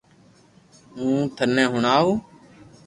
ھون ٿني ھڻاو